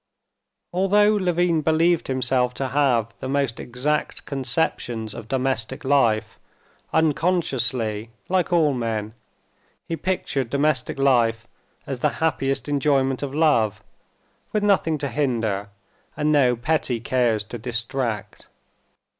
Although Levin believed himself to have the most exact conceptions of domestic life, unconsciously, like all men, he pictured domestic life as the happiest enjoyment of love, with nothing to hinder and no petty cares to distract.